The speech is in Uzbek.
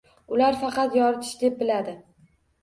Ular faqat yoritish deb biladi.